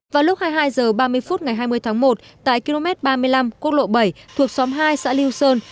vào lúc hai mươi hai h ba mươi phút ngày hai mươi tháng một tại km ba mươi năm quốc lộ bảy thuộc xóm hai xã liêu sơn